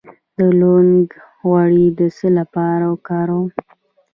د لونګ غوړي د څه لپاره وکاروم؟